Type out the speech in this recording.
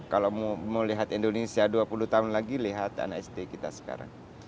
kalau mau lihat indonesia dua puluh tahun lagi lihat anak sd kita sekarang